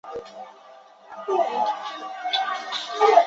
上野国馆林藩第一任藩主。